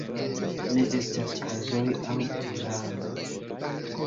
Ne estas kazoj aŭ pluralo.